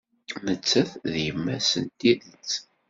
Nettat d yemma-s n tidet.